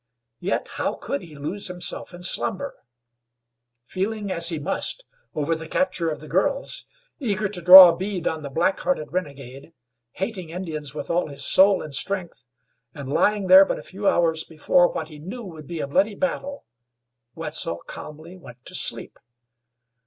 Yet how could he lose himself in slumber? Feeling, as he must, over the capture of the girls; eager to draw a bead on the black hearted renegade; hating Indians with all his soul and strength, and lying there but a few hours before what he knew would be a bloody battle, Wetzel calmly went to sleep.